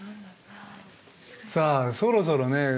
さあそろそろね